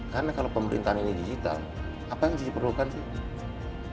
karena kalau pemerintahan ini digital apa yang disuruhkan sih